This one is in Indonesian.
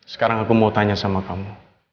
sekarang aku mau tanya sama kamu